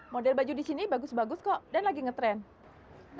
model baju disini bagus bagus kok dan lagi ngetrend